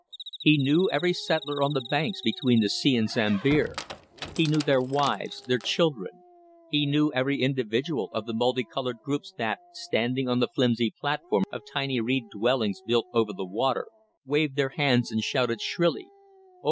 He knew every settler on the banks between the sea and Sambir; he knew their wives, their children; he knew every individual of the multi coloured groups that, standing on the flimsy platforms of tiny reed dwellings built over the water, waved their hands and shouted shrilly: "O!